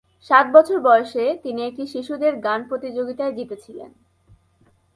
সাত বছর বয়সে, তিনি একটি শিশুদের গান প্রতিযোগিতায় জিতেছিলেন।